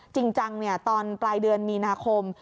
จริงจังตอนปลายเดือนมีนาคม